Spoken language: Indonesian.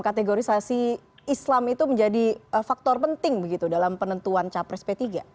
kategorisasi islam itu menjadi faktor penting begitu dalam penentuan capres p tiga